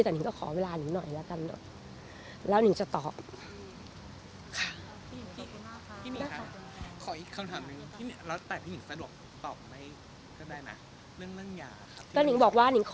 แต่หนิงก็ขอเวลาหนิงหน่อยแล้วกัน